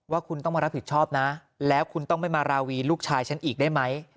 ว่าคุณต้องมารับผิดชอบนะแล้วคุณต้องไม่มาราวีลูกชายฉันอีกได้ไหม